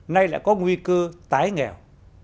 nay lại có nguy cơ tái nghèo